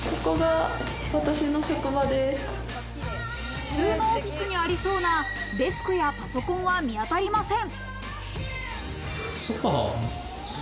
普通のオフィスにありそうなデスクやパソコンは見当たりません。